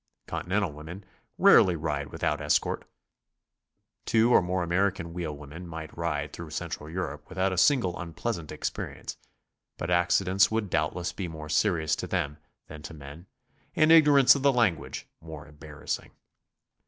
Continental women rarely ride without escort. Two or more American wheelwomen might ride through Central Europe without a single unpleasant experience, but accidents would doubtless be more serious to them than to men, and ignorance of the language more embarrassing.